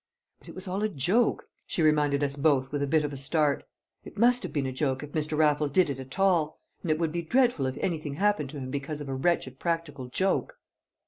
"But it was all a joke," she reminded us both with a bit of a start. "It must have been a joke, if Mr. Raffles did it at all. And it would be dreadful if anything happened to him because of a wretched practical joke!"